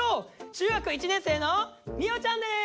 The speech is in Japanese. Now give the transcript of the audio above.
中学１年生のみおちゃんです。